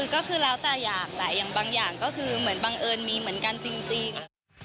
ก็คือแล้วแต่อยากแต่อย่างบางอย่างก็คือเหมือนบังเอิญมีเหมือนกันจริง